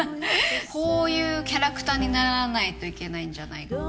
こういうキャラクターにならないといけないんじゃないのかとか。